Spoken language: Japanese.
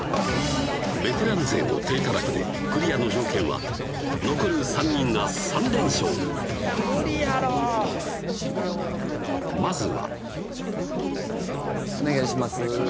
ベテラン勢の体たらくでクリアの条件は残る３人が３連勝いや無理やろまずはお願いします